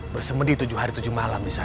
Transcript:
bersemedi tujuh hari tujuh malam di sana